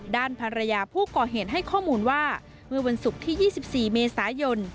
ด้านภรรยาผู้ก่อเหตุให้ข้อมูลว่าเมื่อวันศุกร์ที่๒๔เมษายน